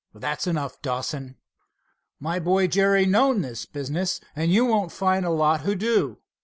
"That's enough, Dawson." "My boy, Jerry, knows this business, and you won't find a lot who do."